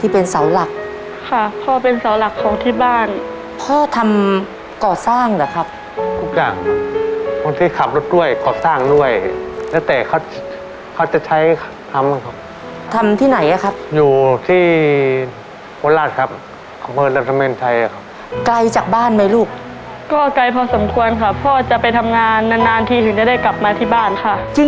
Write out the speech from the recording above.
พ่อจะไปทำงานนานทีถึงจะได้กลับมาที่บ้าน